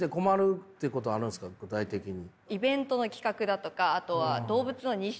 具体的に。